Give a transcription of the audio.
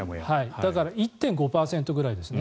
だから１．５％ぐらいですね。